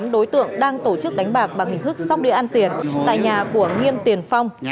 tám đối tượng đang tổ chức đánh bạc bằng hình thức sóc điện an tiền tại nhà của nghiêm tiền phong